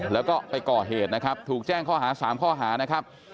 แล้วก็ไปก่อเหตุนะครับถูกแจ้งข้อหา๓ข้อหานะครับ